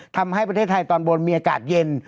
ทำให้ประเทศไทยตอนบนมีอากาศเย็น